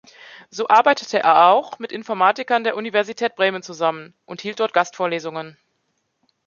So arbeitete er auch mit Informatikern der Universität Bremen zusammen und hielt dort Gastvorlesungen.